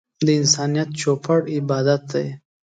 د انسانيت چوپړ عبادت دی.